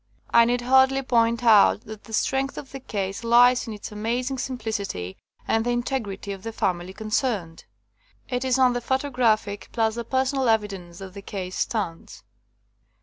I need hardly point out that the strength of the case lies in its amazing simplicity and the integrity of the family concerned. It is on the photographic plus the personal evidence that the case stands.